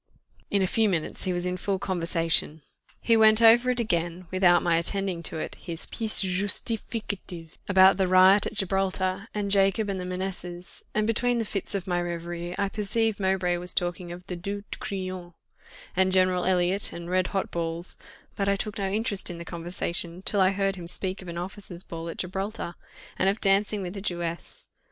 In a few minutes he was in full conversation. He went over again, without my attending to it, his pièce justificative about the riot at Gibraltar, and Jacob, and the Manessas; and between the fits of my reverie, I perceived Mowbray was talking of the Due de Crillon and General Elliot, and red hot balls; but I took no interest in the conversation, till I heard him speak of an officers' ball at Gibraltar, and of dancing with a Jewess.